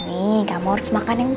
semoga harusnya nukeri recuperimen gitu